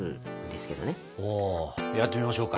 やってみましょうか。